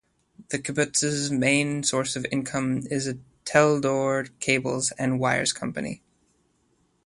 The kibbutz's main source of income is the Teldor Cables and Wires factory.